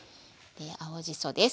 青じそです。